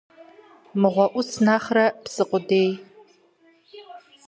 Мыгъуэ Ӏус нэхърэ псы къудей.